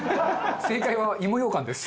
正解はいもようかんです。